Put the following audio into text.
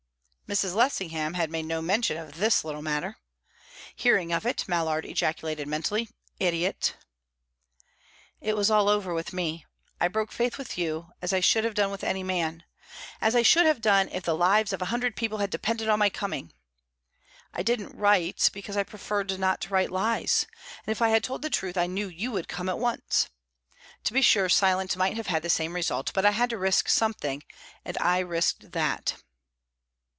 Mrs. Lessingham had made no mention of this little matter. Hearing of it, Mallard ejaculated mentally, "Idiot!" "It was all over with me. I broke faith with you as I should have done with any man; as I should have done if the lives of a hundred people had depended on my coming. I didn't write, because I preferred not to write lies, and if I had told the truth, I knew you would come at once. To be sure, silence might have had the same result, but I had to risk something, and I risked that."